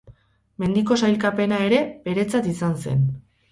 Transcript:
Mendiko sailkapena ere beretzat izan zen.